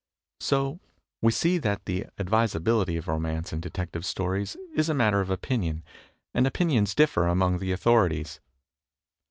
So we see that the advisability of romance in detective stories is a matter of opinion, and opinions differ among the authorities.